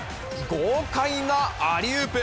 豪快なアリウープ。